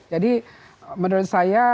jadi menurut saya